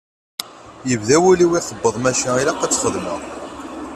Yebda wul-iw ixebbeḍ maca ilaq ad tt-xedmeɣ.